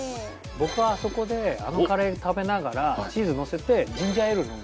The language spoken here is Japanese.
僕はあそこであのカレー食べながらチーズのせてジンジャーエール飲む。